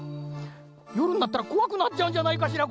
よるになったらこわくなっちゃうんじゃないかしら